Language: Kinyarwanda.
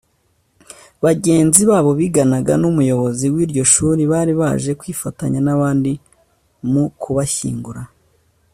bagenzi babo biganaga n`umuyobozi w`iryo shuri bari baje kwifatanya n`abandi mu kubashyingura